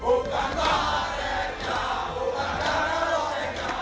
bukan baranya bukan garasannya